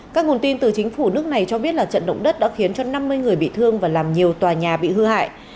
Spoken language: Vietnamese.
các nguồn tin từ chính phủ nước này cho biết là trận động đất đã khiến cho năm mươi người bị thương và làm nhiều tòa nhà bị hư hại